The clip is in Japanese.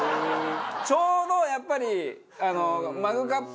ちょうどやっぱり。